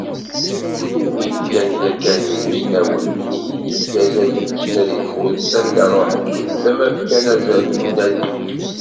Imi fkan yakan yimussnawen n yinig azal i tussna deg tmurt s anda ruḥen mebla ma fkan azal n unadi.